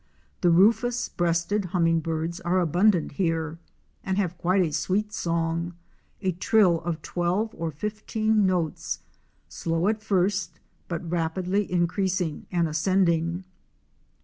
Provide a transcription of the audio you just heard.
The Rufous breasted Hummingbirds ™ are abundant here and have quite a sweet song, a trill of twelve or fifteen notes, slow at first but rapidly increasing and ascending.